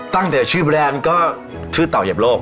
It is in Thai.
ตั้งแต่ชื่อแบรนด์ก็ชื่อเต่าเหยียบโลก